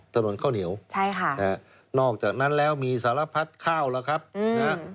ถนนข้าวเหนียวนอกจากนั้นแล้วมีสารพัดข้าวแล้วครับนะครับ